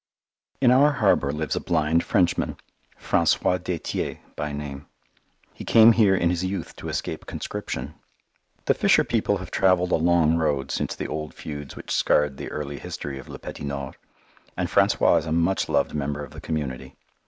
In our harbour lives a blind Frenchman, François Détier by name. He came here in his youth to escape conscription. The fisher people have travelled a long road since the old feuds which scarred the early history of Le Petit Nord, and François is a much loved member of the community.